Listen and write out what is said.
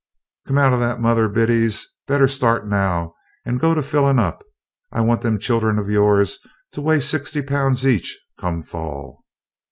"Come out o' that, Mother Biddies! Better start now and go to fillin' up. I want them children of yourn to weigh sixty poun' each, come fall."